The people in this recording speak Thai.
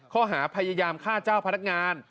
ข้อหาพยายามฆ่าเจ้าพนักงาน